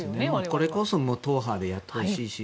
これこそ無党派でやってほしいし。